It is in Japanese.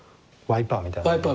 ワイパーみたいなやつ。